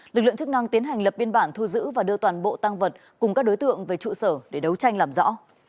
lực lượng chức năng tiến hành lập biên bản thu giữ và đưa toàn bộ tăng vật cùng các đối tượng về trụ sở để đấu tranh làm rõ